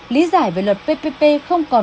lý giải về luật ppp không còn